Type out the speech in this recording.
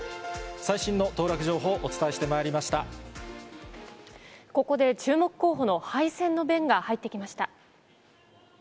最新の当落情報をお伝えしてここで注目候補の敗戦の弁が入ってきました。